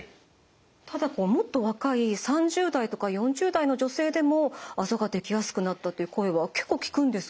ただもっと若い３０代とか４０代の女性でもあざができやすくなったっていう声は結構聞くんですけど。